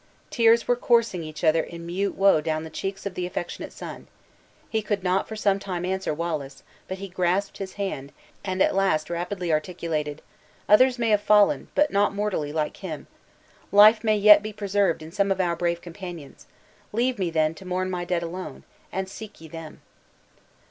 Tears were coursing each other in mute woe down the cheeks of the affectionate son. He could not for some time answer Wallace, but he grasped his hand, and at last rapidly articulated, "Others may have fallen, but not mortally like him. Life may yet be preserved in some of our brave companions. Leave me, then, to mourn my dead alone! and seek ye them."